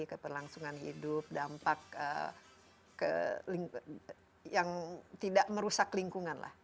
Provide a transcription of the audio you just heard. keberlangsungan hidup dampak yang tidak merusak lingkungan lah